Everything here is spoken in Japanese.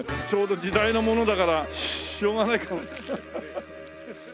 ちょうど時代のものだからしょうがないか。